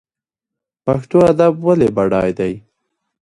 پښتو ادب ولې بډای دی؟